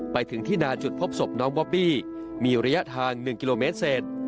ไปถึงที่นาจุดพบศพน้องบอบบี้มีระยะทาง๑กิโลเมตรเศษ